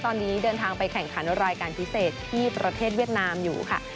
ตอนนี้เดินทางไปแข่งขันรายการพิเศษที่ประเทศเวียดนามอยู่ค่ะ